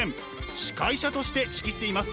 司会者として仕切っています。